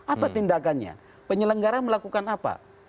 apa tindakannya penyelenggara melakukan apa